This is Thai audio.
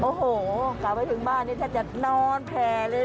โอ้โหกลับไปถึงบ้านนี่แทบจะนอนแผ่เลย